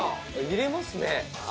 入れますね。